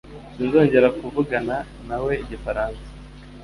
Sinzongera kuvugana nawe igifaransa